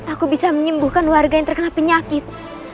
aku bisa menyembuhkan warga yang terkena penyakit